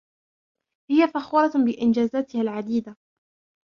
هي فخورة بإنجازاتها العديدة.